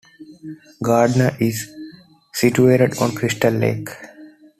Gardner is situated on Crystal Lake.